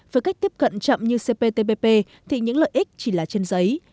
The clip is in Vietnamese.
với cách tiếp cận chậm như cptpp thì những lợi ích chỉ là trên giấy